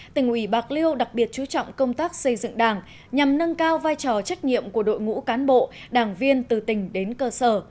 tỉnh ủy bạc liêu đặc biệt chú trọng công tác xây dựng đảng nhằm nâng cao vai trò trách nhiệm của đội ngũ cán bộ đảng viên từ tỉnh đến cơ sở